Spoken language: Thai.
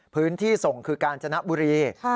พื้นที่ส่งคือกาญจนบุรี